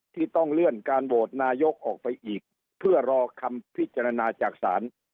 ที่ต้องเลื่อนการโหวตนายกออกไปอีกเพื่อรอคำพิจารณาจากศาล